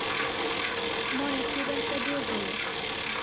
মনে খুব একটা জোর পেলে।